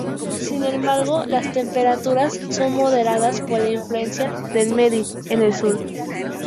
Sin embargo, las temperaturas son moderadas por la influencia del "Midi" en el sur.